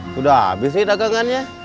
sudah habis nih dagangannya